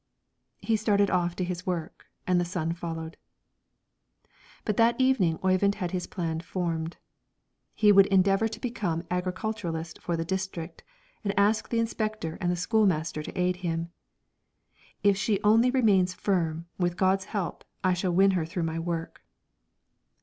He started off to his work, and the son followed. But that evening Oyvind had his plan formed: he would endeavor to become agriculturist for the district, and ask the inspector and the school master to aid him. "If she only remains firm, with God's help, I shall win her through my work."